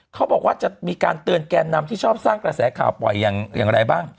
เขาบอกว่าจะมีการเตือนแกนนำที่ชอบสร้างกระแสข่าวปล่อยอย่างไรบ้าง